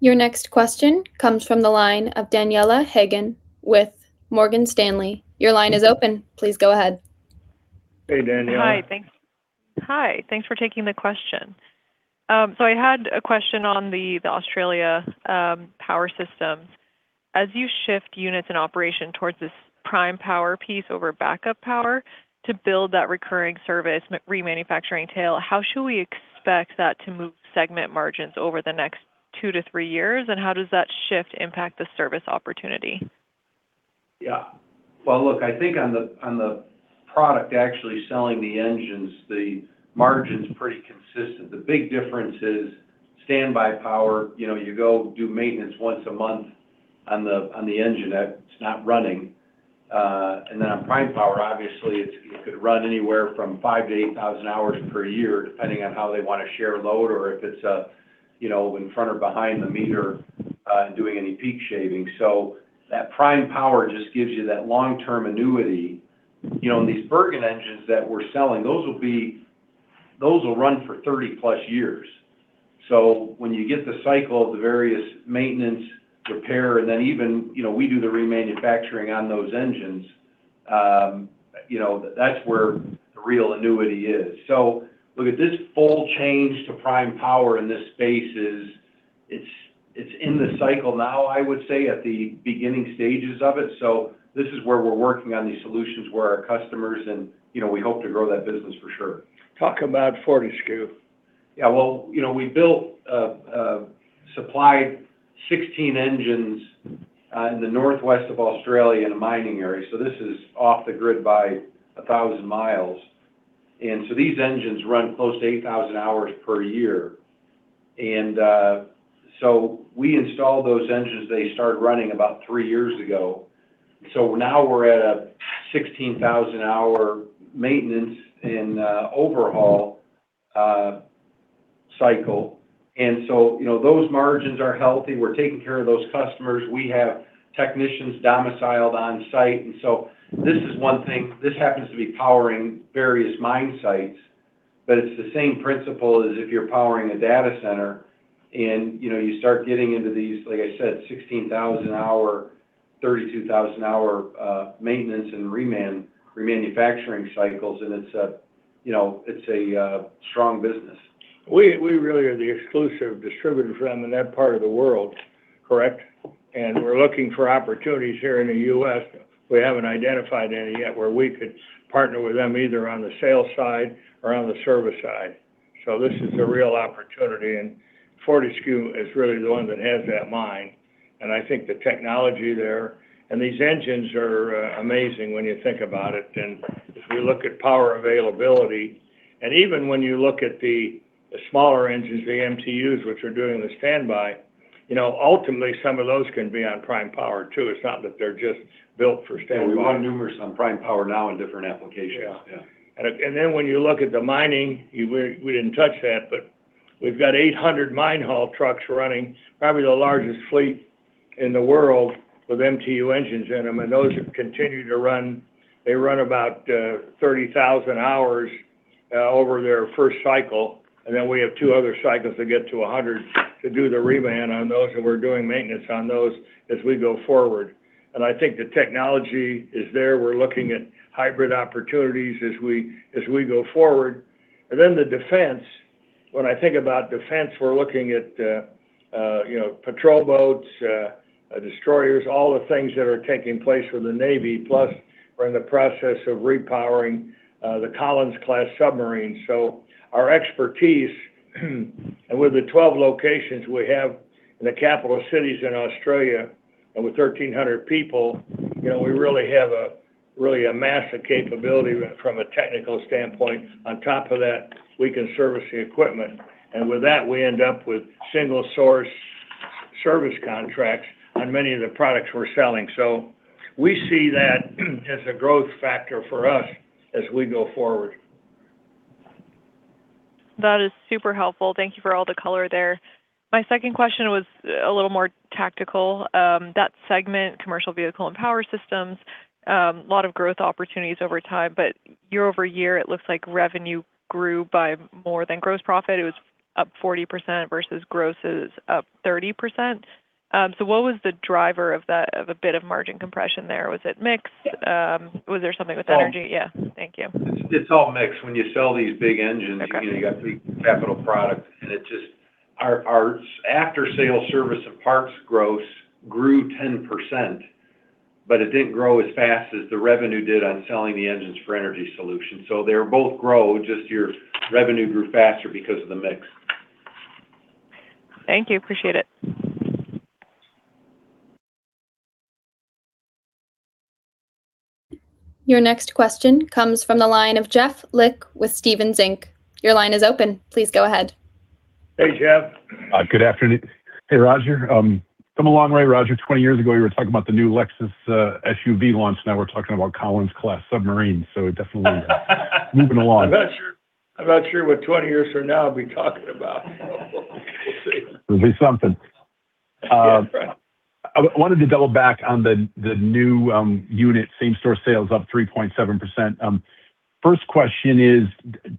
Your next question comes from the line of Daniela Haigian with Morgan Stanley. Your line is open. Please go ahead. Hey, Daniela. Hi. Thanks for taking the question. I had a question on the Australia power system. As you shift units and operation towards this prime power piece over backup power to build that recurring service remanufacturing tail, how should we expect that to move segment margins over the next two to three years, and how does that shift impact the service opportunity? I think on the product actually selling the engines, the margin's pretty consistent. The big difference is standby power. You go do maintenance once a month on the engine. It's not running. On prime power, obviously, it could run anywhere from 5,000 to 8,000 hours per year, depending on how they want to share load or if it's in front or behind the meter doing any peak shaving. That prime power just gives you that long-term annuity. These Bergen engines that we're selling, those will run for 30-plus years. When you get the cycle of the various maintenance, repair, and then even we do the remanufacturing on those engines, that's where the real annuity is. This full change to prime power in this space is It's in the cycle now, I would say, at the beginning stages of it. This is where we're working on these solutions with our customers, and we hope to grow that business for sure. Talk about Fortescue. Yeah. We supplied 16 engines in the northwest of Australia in a mining area. This is off the grid by 1,000 miles. These engines run close to 8,000 hours per year. We installed those engines, they started running about three years ago. Now we're at a 16,000-hour maintenance and overhaul cycle. Those margins are healthy. We're taking care of those customers. We have technicians domiciled on site. This is one thing, this happens to be powering various mine sites, but it's the same principle as if you're powering a data center and you start getting into these, like I said, 16,000-hour, 32,000-hour maintenance and remanufacturing cycles, and it's a strong business. We really are the exclusive distributor for them in that part of the world. Correct? We're looking for opportunities here in the U.S. We haven't identified any yet where we could partner with them either on the sales side or on the service side. This is a real opportunity, and Fortescue is really the one that has that mine. I think the technology there, and these engines are amazing when you think about it. If you look at power availability, and even when you look at the smaller engines, the MTUs, which are doing the standby, ultimately some of those can be on prime power, too. It's not that they're just built for standby. Yeah, we run numerous on prime power now in different applications. Yeah. Yeah. When you look at the mining, we didn't touch that, but we've got 800 mine haul trucks running, probably the largest fleet in the world, with MTU engines in them. Those have continued to run. They run about 30,000 hours over their first cycle, then we have two other cycles to get to 100 to do the reman on those. We're doing maintenance on those as we go forward. I think the technology is there. We're looking at hybrid opportunities as we go forward. The defense, when I think about defense, we're looking at patrol boats, destroyers, all the things that are taking place with the Navy. Plus, we're in the process of repowering the Collins class submarine. Our expertise, and with the 12 locations we have in the capital cities in Australia and with 1,300 people, we really have a massive capability from a technical standpoint. On top of that, we can service the equipment. With that, we end up with single-source service contracts on many of the products we're selling. We see that as a growth factor for us as we go forward. That is super helpful. Thank you for all the color there. My second question was a little more tactical. That segment, commercial vehicle and power systems, lot of growth opportunities over time. Year-over-year, it looks like revenue grew by more than gross profit. It was up 40% versus gross is up 30%. What was the driver of a bit of margin compression there? Was it mix? Was there something with energy? Well- Yeah. Thank you. It's all mixed. When you sell these big engines- Okay You got big capital product and our after-sale service and parts gross grew 10%. It didn't grow as fast as the revenue did on selling the engines for energy solutions. They both grow, just your revenue grew faster because of the mix. Thank you. Appreciate it. Your next question comes from the line of Jeff Lick with Stephens Inc. Your line is open. Please go ahead. Hey, Jeff. Good afternoon. Hey, Roger. Come a long way, Roger. 20 years ago, you were talking about the new Lexus SUV launch. Now we're talking about Collins class submarines, it definitely moving along. I'm not sure what 20 years from now I'll be talking about. We'll see. It'll be something. Yeah, right. I wanted to double back on the new unit same store sales up 3.7%. First question is,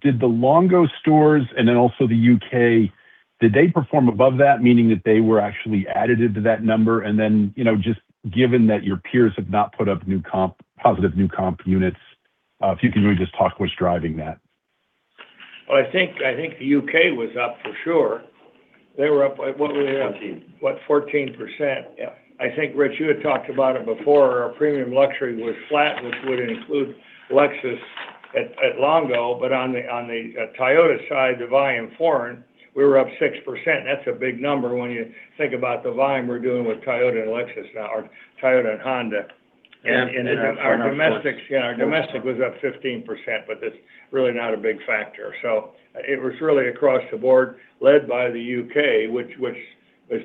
did the Longo stores and then also the U.K., did they perform above that, meaning that they were actually additive to that number? Just given that your peers have not put up positive new comp units, if you can really just talk what's driving that. Well, I think the U.K. was up for sure. They were up, what were they up? Fourteen. What, 14%? Yeah. I think, Rich, you had talked about it before. Our premium luxury was flat, which would include Lexus at Longo. On the Toyota side, volume foreign, we were up 6%. That's a big number when you think about the volume we're doing with Toyota and Lexus now, or Toyota and Honda. Yeah. Our domestic was up 15%, that's really not a big factor. It was really across the board led by the U.K., which was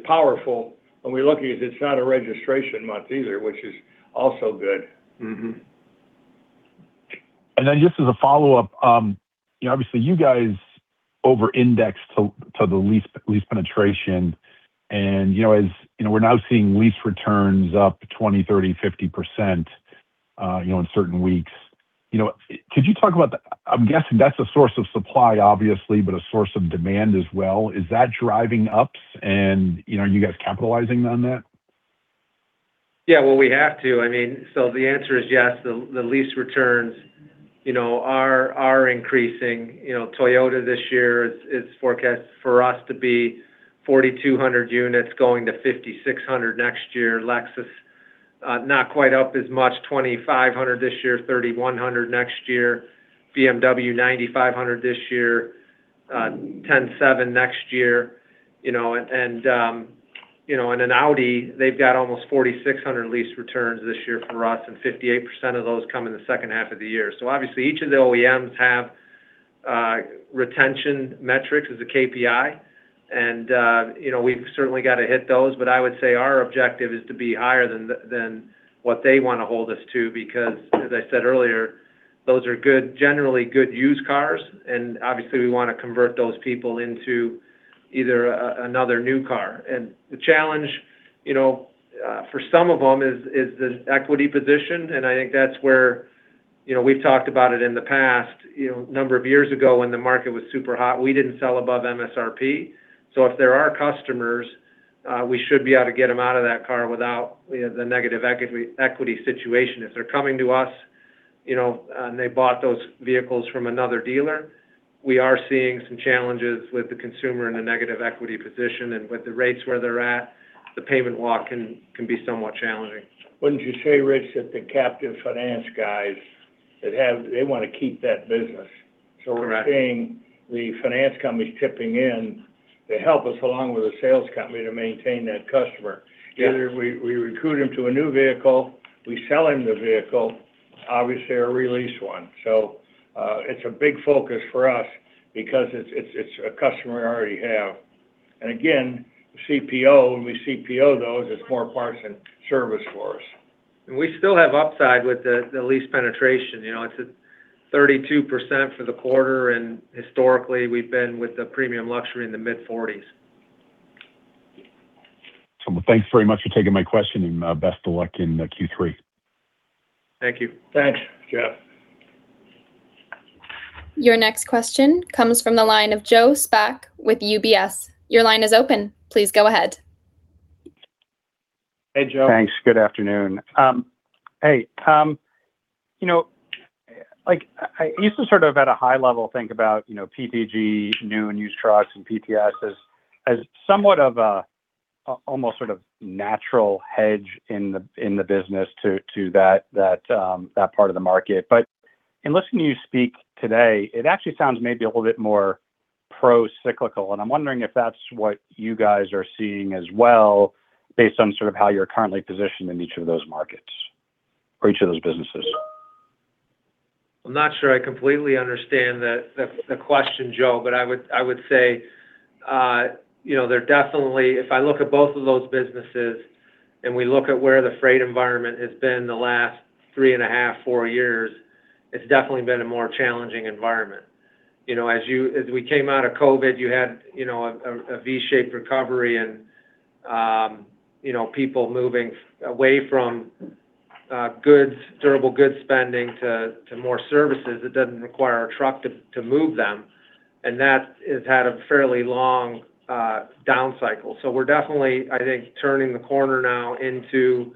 powerful. We're lucky it's not a registration month either, which is also good. Just as a follow-up. Obviously you guys over-indexed to the lease penetration and we're now seeing lease returns up 20, 30, 50% in certain weeks. Could you talk about that? I'm guessing that's a source of supply obviously, but a source of demand as well. Is that driving ups and are you guys capitalizing on that? Well, we have to. The answer is yes, the lease returns are increasing. Toyota this year is forecast for us to be 4,200 units, going to 5,600 next year. Lexus, not quite up as much, 2,500 this year, 3,100 next year. BMW 9,500 this year, 10,700 next year. Audi, they've got almost 4,600 lease returns this year for us, and 58% of those come in the second half of the year. Obviously, each of the OEMs have retention metrics as a KPI, and we've certainly got to hit those. I would say our objective is to be higher than what they want to hold us to, because as I said earlier, those are generally good used cars, and obviously, we want to convert those people into either another new car. The challenge for some of them is the equity position, and I think that's where we've talked about it in the past. A number of years ago, when the market was super hot, we didn't sell above MSRP. If they're our customers, we should be able to get them out of that car without the negative equity situation. If they're coming to us, and they bought those vehicles from another dealer, we are seeing some challenges with the consumer in a negative equity position. With the rates where they're at, the payment walk can be somewhat challenging. Wouldn't you say, Rich, that the captive finance guys, they want to keep that business? Correct. We're seeing the finance companies tipping in to help us along with the sales company to maintain that customer. Yes. Either we recruit him to a new vehicle, we sell him the vehicle, obviously a re-lease one. It's a big focus for us because it's a customer we already have. Again, CPO, when we CPO those, it's more parts and service for us. We still have upside with the lease penetration. It's at 32% for the quarter, and historically, we've been with the premium luxury in the mid-40s. Thanks very much for taking my question, best of luck in Q3. Thank you. Thanks, Jeff. Your next question comes from the line of Joe Spak with UBS. Your line is open. Please go ahead. Hey, Joe. Thanks. Good afternoon. Hey, Tom, I used to sort of at a high level think about PTG new and used trucks and PTS as somewhat of a almost sort of natural hedge in the business to that part of the market. In listening to you speak today, it actually sounds maybe a little bit more pro-cyclical, and I'm wondering if that's what you guys are seeing as well based on how you're currently positioned in each of those markets or each of those businesses. I'm not sure I completely understand the question, Joe. I would say, if I look at both of those businesses and we look at where the freight environment has been the last three and a half, four years, it's definitely been a more challenging environment. As we came out of COVID, you had a V-shaped recovery and people moving away from durable goods spending to more services that doesn't require a truck to move them. That has had a fairly long down cycle. We're definitely, I think, turning the corner now into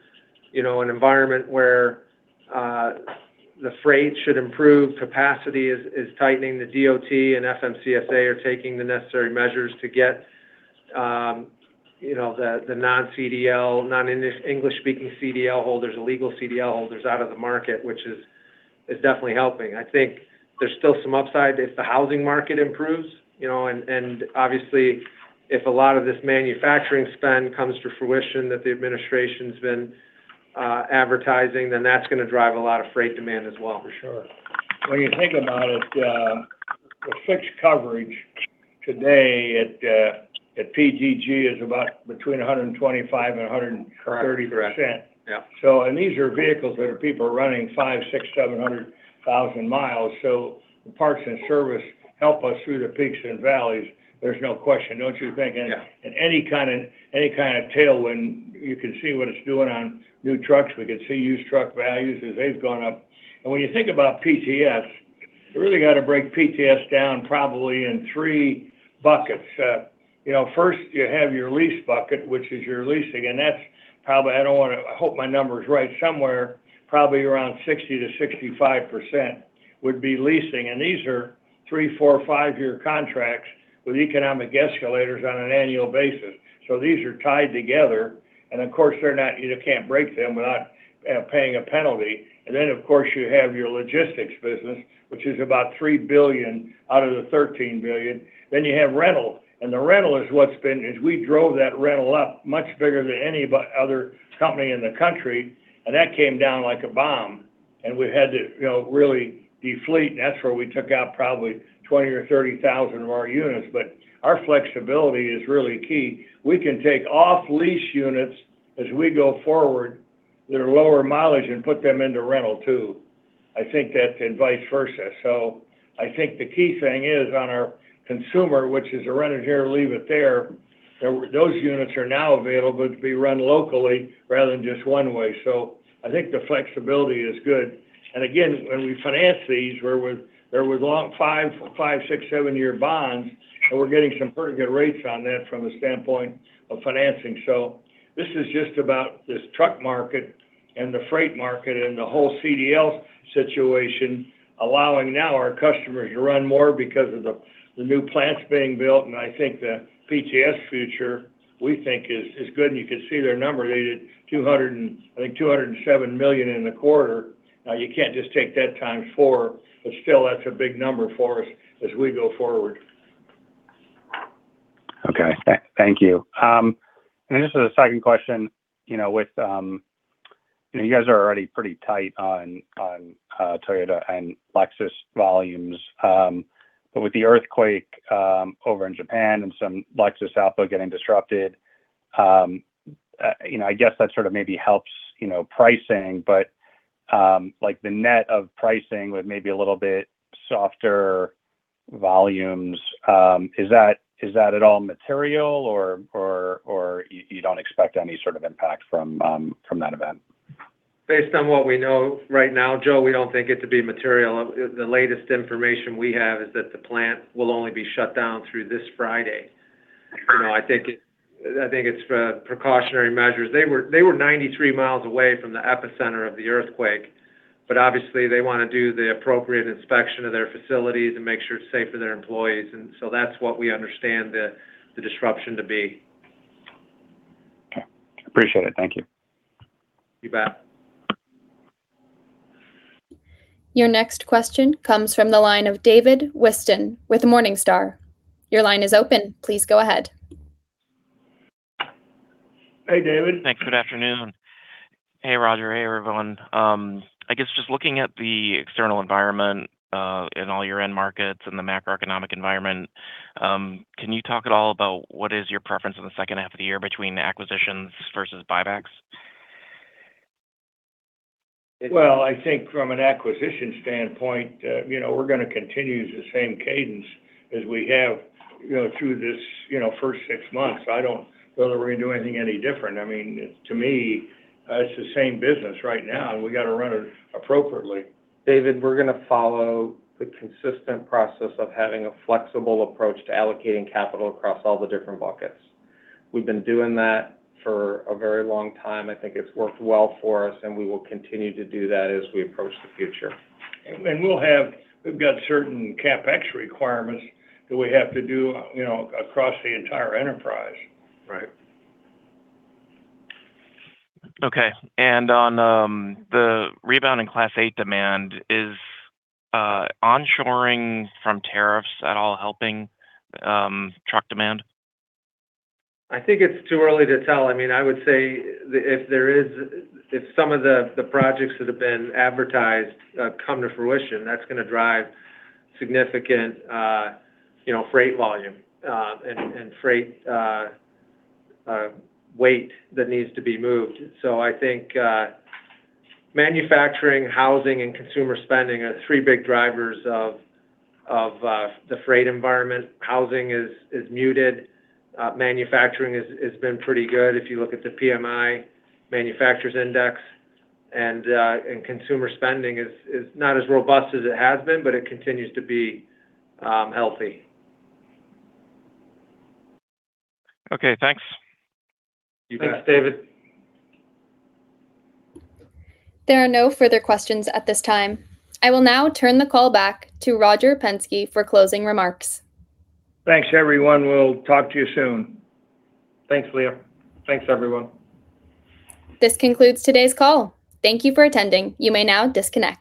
an environment where the freight should improve. Capacity is tightening. The DOT and FMCSA are taking the necessary measures to get the non-CDL, non-English speaking CDL holders, illegal CDL holders out of the market, which is definitely helping. I think there's still some upside if the housing market improves. Obviously, if a lot of this manufacturing spend comes to fruition that the administration's been advertising, that's going to drive a lot of freight demand as well. For sure. When you think about it, the fixed coverage today at PTG is about between 125%-130%. Correct. Yep. These are vehicles that are people are running five, six, 700,000 miles. The parts and service help us through the peaks and valleys. There's no question. Don't you think? Yeah. Any kind of tailwind, you can see what it's doing on new trucks. We can see used truck values as they've gone up. When you think about PTS, you really got to break PTS down probably in three buckets. First, you have your lease bucket, which is your leasing. I hope my number is right. Somewhere probably around 60%-65% would be leasing. These are three, four, five-year contracts with economic escalators on an annual basis. These are tied together. Of course, you can't break them without paying a penalty. Then, of course, you have your logistics business, which is about $3 billion out of the $13 billion. You have rental. The rental is what's been, we drove that rental up much bigger than any other company in the country. That came down like a bomb. We had to really defleet, and that's where we took out probably 20,000 or 30,000 of our units. Our flexibility is really key. We can take off lease units as we go forward that are lower mileage and put them into rental too. I think that, and vice versa. I think the key thing is on our consumer, which is a rent it here, leave it there. Those units are now available to be run locally rather than just one way. I think the flexibility is good. Again, when we finance these, there was long five, six, 7-year bonds, and we're getting some pretty good rates on that from a standpoint of financing. This is just about this truck market and the freight market and the whole CDL situation, allowing now our customers to run more because of the new plants being built. I think the PTS future, we think is good. You can see their numbers. They did, I think, $207 million in the quarter. You can't just take that times four, but still, that's a big number for us as we go forward. Okay. Thank you. Then just as a second question, you guys are already pretty tight on Toyota and Lexus volumes. With the earthquake over in Japan and some Lexus output getting disrupted, I guess that sort of maybe helps pricing, but the net of pricing with maybe a little bit softer volumes, is that at all material or you don't expect any sort of impact from that event? Based on what we know right now, Joe, we don't think it to be material. The latest information we have is that the plant will only be shut down through this Friday. Okay. I think it's precautionary measures. They were 93 miles away from the epicenter of the earthquake, obviously they want to do the appropriate inspection of their facilities and make sure it's safe for their employees. That's what we understand the disruption to be. Okay. Appreciate it. Thank you. You bet. Your next question comes from the line of David Whiston with Morningstar. Your line is open. Please go ahead. Hey, David. Thanks. Good afternoon. Hey, Roger. Hey, everyone. I guess just looking at the external environment, in all your end markets and the macroeconomic environment, can you talk at all about what is your preference in the second half of the year between acquisitions versus buybacks? Well, I think from an acquisition standpoint, we're going to continue the same cadence as we have through this first six months. I don't feel that we're going to do anything any different. To me, it's the same business right now, and we've got to run it appropriately. David, we're going to follow the consistent process of having a flexible approach to allocating capital across all the different buckets. We've been doing that for a very long time. I think it's worked well for us, and we will continue to do that as we approach the future. We've got certain CapEx requirements that we have to do across the entire enterprise. Right. Okay. On the rebound in Class 8 demand, is onshoring from tariffs at all helping truck demand? I think it's too early to tell. I would say if some of the projects that have been advertised come to fruition, that's going to drive significant freight volume and freight weight that needs to be moved. I think manufacturing, housing, and consumer spending are the three big drivers of the freight environment. Housing is muted. Manufacturing has been pretty good, if you look at the PMI Manufacturers Index. Consumer spending is not as robust as it has been, but it continues to be healthy. Okay. Thanks. You bet. Thanks, David. There are no further questions at this time. I will now turn the call back to Roger Penske for closing remarks. Thanks, everyone. We'll talk to you soon. Thanks, Leah. Thanks, everyone. This concludes today's call. Thank you for attending. You may now disconnect.